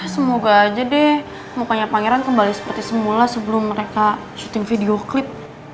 semoga aja deh mukanya pangeran kembali seperti semula sebelum mereka syuting video klip